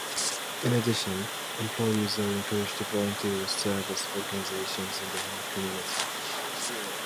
In addition, employees are encouraged to volunteer with service organizations in their home community.